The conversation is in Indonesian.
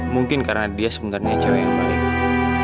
mungkin karena dia sebenarnya cewek yang paling